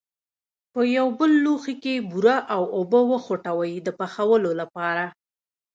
په یو بل لوښي کې بوره او اوبه وخوټوئ د پخولو لپاره.